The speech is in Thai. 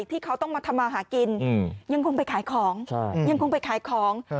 ที่เขาต้องมาทำมาหากินยังคงไปขายของ